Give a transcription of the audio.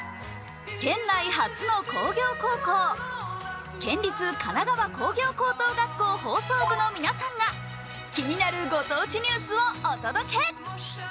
県内初の工業高校県立神奈川工業高等学校放送部の皆さんが気になる御当地ニュースをお届け。